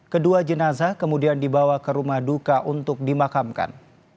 kedua jenazah kemudian dibawa ke rumah duka untuk dimakamkan